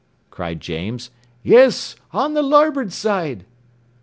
cried James. "Yes, on the larboard side."